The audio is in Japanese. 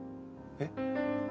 えっ？